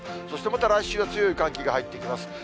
そしてまた来週が強い寒気が入ってきます。